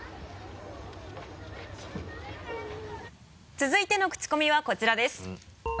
続いてのクチコミはこちらです。